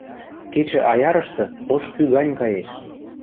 Кечӹ аярышты ош кӱ гань каеш.